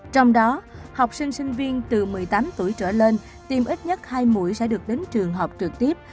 trong đó học sinh sinh viên từ một mươi tám tuổi trở lên tìm ít nhất hai mũi sẽ được đến trường học trực tiếp